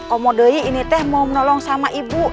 kalau ini mau bantu ibu